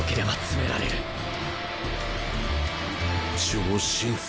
「超新星」。